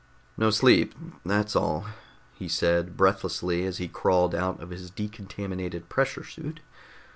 "No sleep, that's all," he said breathlessly as he crawled out of his decontaminated pressure suit.